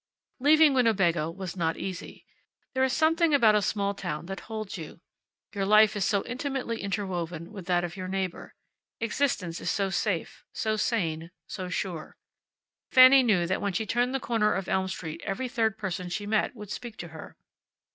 Leaving Winnebago was not easy. There is something about a small town that holds you. Your life is so intimately interwoven with that of your neighbor. Existence is so safe, so sane, so sure. Fanny knew that when she turned the corner of Elm Street every third person she met would speak to her.